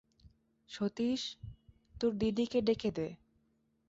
সতীশ, তোর দিদিকে ডেকে দে।